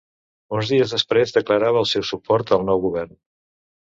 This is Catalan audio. Uns dies després declarava el seu suport al nou govern.